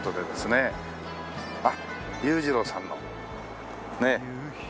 あっ裕次郎さんのねえ。